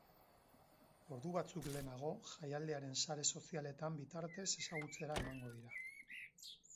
Ordu batzuk lehenago jaialdiaren sare sozialen bitartez ezagutzera emango dira.